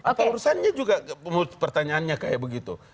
atau urusannya juga pertanyaannya kayak begitu